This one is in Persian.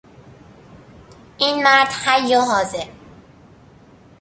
این مرد حی و حاضر